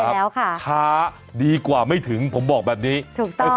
แล้วค่ะช้าดีกว่าไม่ถึงผมบอกแบบนี้ถูกต้อง